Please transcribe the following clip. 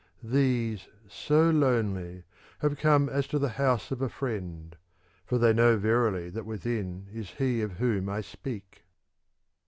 These, so lonely, have come as to the house of a friend ; for they know verily that within is he of whom I speak.